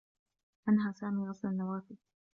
أنهى سامي غسل النّوافذ.